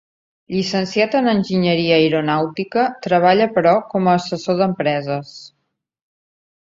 Llicenciat en enginyeria aeronàutica, treballa però com a assessor d'empreses.